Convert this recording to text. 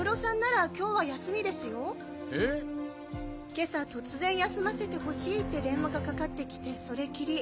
今朝突然休ませてほしいって電話がかかってきてそれきり。